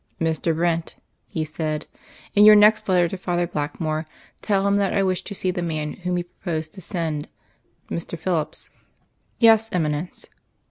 "Mr. Brent," he said, "in your next letter to Father Blackmore, tell him that I wish to see the man whom he proposed to send Mr. Phillips." "Yes, Eminence."